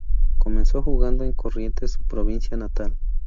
Comenzó jugando en Corrientes, su provincia natal.